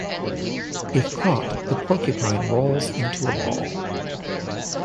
If caught, the porcupine rolls into a ball.